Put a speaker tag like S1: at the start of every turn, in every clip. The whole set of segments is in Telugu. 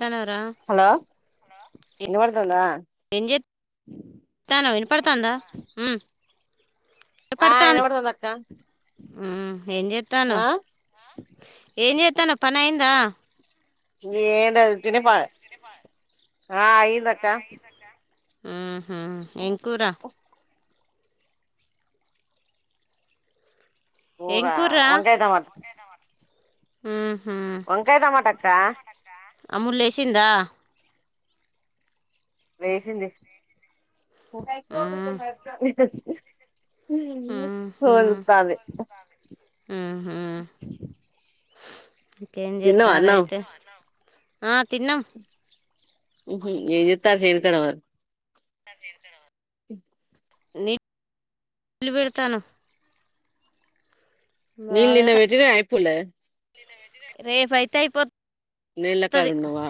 S1: త్తాన్నావ్ రా
S2: హలో
S1: ఏ
S2: ఇనబడుతుందా
S1: ఏం చేత్ త్తాన్నావ్ వినపడతాంద?
S2: ఆ
S1: ఇనపడతాంది
S2: ఇనబడుతుంది అక్క ఆ
S1: త్తన పనైందా
S2: ఏం లేదు ఉట్టినే పడి ఆ అయ్యిందక్క
S1: హ్మ్ ఏం కూర? ఏం
S2: కూరా? వంకాయ టమాట్
S1: హ్మ్
S2: టమాట అక్క
S1: అమ్ము లేసిందా?
S2: లేసింది
S1: ఉమ్,
S2: అ
S1: ఉహు, ఉహు.
S2: [unintelligible]
S1: ఏం
S2: తిన్నవా అన్నం
S1: జేత్తనారయితే ఆ తిన్నా
S2: ఏం చేస్త్ త్తార్ చేను కా డెవరు
S1: అదేనా
S2: ఎస్
S1: ళ్లు పెడతాను
S2: నీళ్ళు
S1: బాగా
S2: నిన్న పెట్టిన ఐ పోలే
S1: రేపైతే ఐపోత్
S2: నీళ్ల కాడున్నవా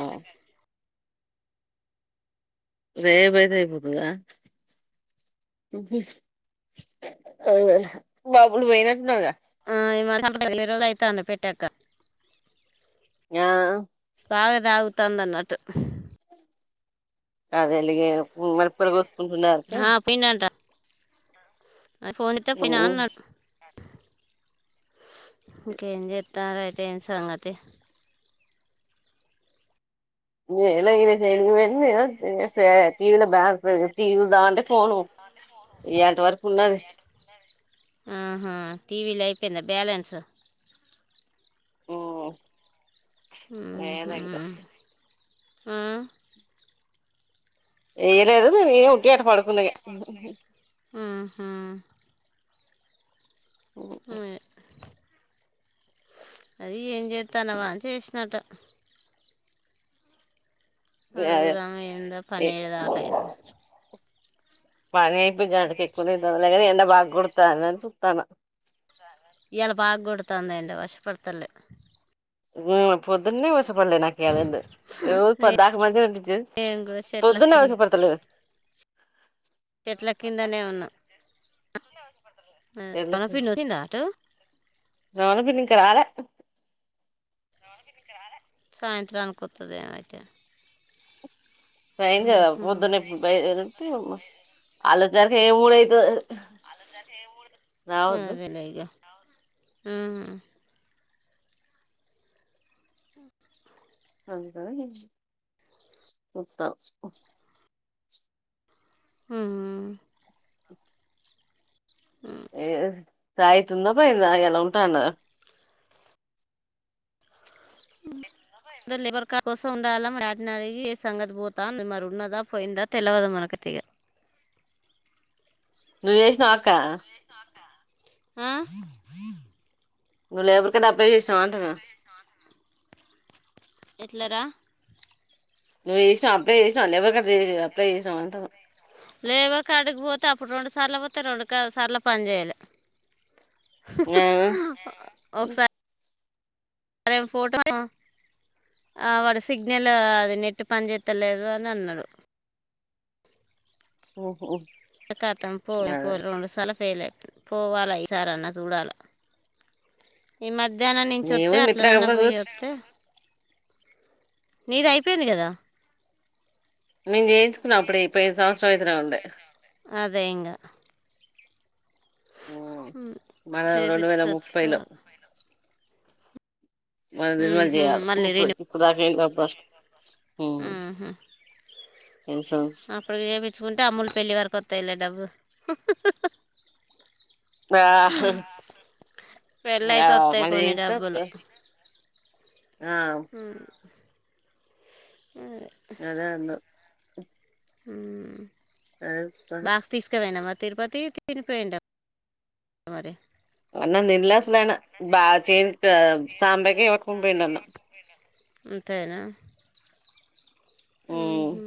S2: రేపైతే ఐపోతదా? ఆ బాబులు పోయినట్టున్నారు గా
S1: ఆ ఇరవై రోజులయితాంది పెట్టాక
S2: ఆ
S1: బాగా తాగుతాంది అన్నట్టు
S2: అదేలే ఇగ హ్మ్ మిరపకాయలు కోసుకుంటున్నారంటే
S1: ఆ, ఆ ఫోనెత్తకపోయినా అన్నాడు ఇంకేం చెత్తన్నారు ఐ ఏం సంగతి
S2: నంది టీవీలో బ్యాలెన్స్ లేదు టీవీ చూద్దాం అంటే ఫోను ఎంత వరకు ఉన్నది
S1: ఆహా టీవీలో అయిపోయిందా బ్యాలెన్సు
S2: ఉమ్
S1: ఉ
S2: ఏదో ఇగ
S1: హుమ్ ఆ
S2: ఏ ఇదు న ఉగ్గే అట్లా పడుకున్నది
S1: ఉహు.
S2: ఉ
S1: ఉయ్. అది ఏం చేస్తానవా చేసినట్
S2: అదే
S1: అడుగుదామ అయిందా
S2: ఏ
S1: పన్నేడుదాకా అయింది
S2: పని అయిపోయిగా అక ఎక్కువ ఎండ బాగ కుడతానుని చుతాను
S1: ఇయ్యాల బాగా కొడుతుందంది ఎండ వర్షపడతలే
S2: ఉమ్ పొదున్న వ కపడలే నాకు అ ఓ పొద్దకాలు మా ఆ
S1: నేను కూడా చెట్ల
S2: పొద్దున్న
S1: కింద
S2: ఆవపడతులే
S1: చెట్ల కిందనే ఉన్నాం
S2: ఎవల్ ధోలఫింద్ ఇంకా రాలే
S1: సాయంత్రానికొత్తది అయితే
S2: భయం కదా పొద్దున్న ఎప్పుడుంటే ఆలోచన హే ముదైతద్
S1: అదేలే ఇగా ఆహా ఇ
S2: [unintelligible]
S1: ఆ ఆ
S2: ఏ సాయితు ఉందా పనా ఎలా ఉంటా అన్న గా
S1: అరు లేబర్ కార్ కోసం ఉండాల మ వాటిన అడిగి సంగతి పోతా మరి ఉన్నదా పోయిందా తెలవదు మనకి ఇగ
S2: నువ్వు జేసినవ అక్క
S1: ఆ
S2: ను లేవ్ డబ్బు వేసేసినవా అంటున్న
S1: ఎట్లేరా
S2: ను ఎసినా అప్లయ్ జెస్
S1: లేబర్ కార్డుకి పోతే అప్పుడు రొండు సా సార్లు పోతే రెండు సార్లు పని జెయ్యాలే
S2: ఆ
S1: సరేం ఫోటో వాడు సిగ్నల్ అది నెట్టి పనిచత్తలేదు అని అన్నాడు
S2: ఓహోఓ
S1: కతా పో పో రండు స్ల ఫయిల్ పోవాలి ఈ సార అన్నా చూడాలి ఈ మధ్య దేనా నుంచి వస్తే
S2: ఏముంది మిత్రకం
S1: అట్లనన్న పోయి వస్తే నిధి ఐపోయింది కద
S2: మే తెకున్నా అప్పుడు ఇ సంవత్సరం అయితున్నా ఉండే
S1: రయంగా
S2: మన రెండు వేల ముప్పై లో
S1: చేపించుకొచ్చుకోవాలి
S2: మన
S1: మ్మ్,
S2: నిర్మాలు
S1: మ్మ్.
S2: చేయాలి
S1: మళ్ళీ రీని
S2: ఇప్పుడుకుడా బస్
S1: ఆహా
S2: ఇన్సూరెన్స్
S1: అప్పుడు ఏయించుకుంటే అమ్ములు పెళ్లి వరకు గుతైలే డబ్బు
S2: ఆ
S1: పెళ్ళి
S2: ఆ
S1: అయితే
S2: మ
S1: వస్తాయి కొన్ని డబ్బులు
S2: ఆ
S1: ఉమ్,
S2: అదే
S1: ఆ
S2: అ పస్
S1: తిరుపతి తినిపోయింట మరి
S2: అన్నం తిన్లా అస్సలు ఆయన బా చే సాంబకి ఎవకుం పోయిండు అన్నా
S1: అంతేన మ్ హు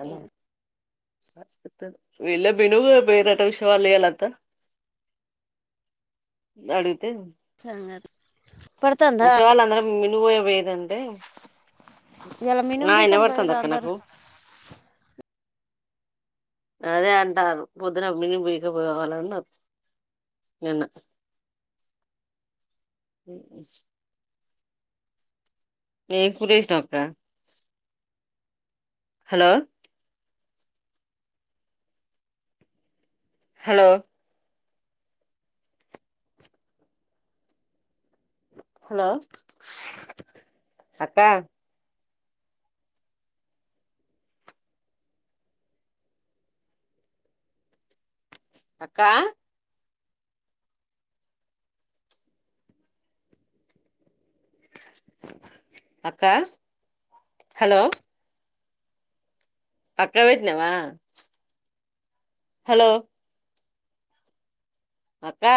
S2: అనా
S1: ఏం
S2: ఇలా బను బేరట విషవాలయాలంత నడితే
S1: సంగత్
S2: ఉచ్చే వాళ్ అం వినువయ వేదంటె
S1: ఇలా మినుం
S2: ఆ
S1: బీకని
S2: వినపడుతుంది
S1: పోయారు
S2: అక్క
S1: అందరు
S2: నాకు అదే అంటారు పొద్దున బిరిన పీక పోవాలన్నారు నిన్న మ్ మీ [unintelligible] హలో హలో హలో అక్క అక్కా అక్క హలో పక్కకుపెట్టినవా హలో అక్కా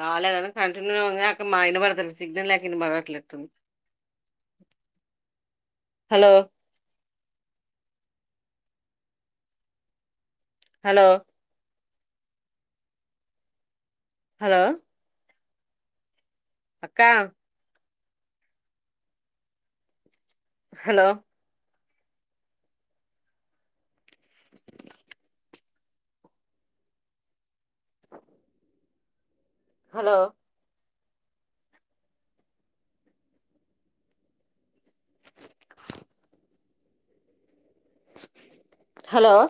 S2: రాలేద కంటిన్యూంగె అక్క మా ఇనపడతలే సిగ్నల్ లేక ఇనపడట్లెట్టుంది హలో హలో హలో అక్క హలో హలో హలో